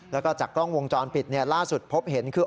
แล้วก็จากกล้องวงจรปิดล่าสุดพบเห็นคือ